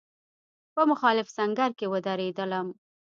په مخالف سنګر کې ودرېدلم.